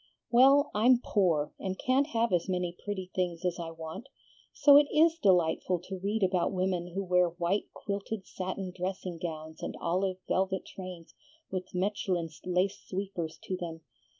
"Well, I'm poor and can't have as many pretty things as I want, so it IS delightful to read about women who wear white quilted satin dressing gowns and olive velvet trains with Mechlin lace sweepers to them.